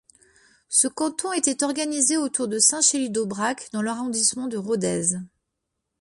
Ce canton était organisé autour de Saint-Chély-d'Aubrac dans l'arrondissement de Rodez.